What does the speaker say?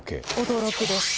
驚きです。